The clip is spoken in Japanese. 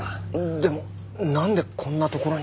でもなんでこんな所に？